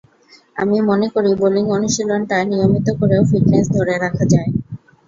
আমি মনে করি, বোলিং অনুশীলনটা নিয়মিত করেও ফিটনেস ধরে রাখা যায়।